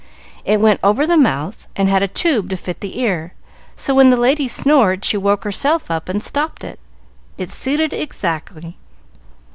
It went over the mouth, and had a tube to fit the ear, so when the lady snored she woke herself up and stopped it. It suited exactly.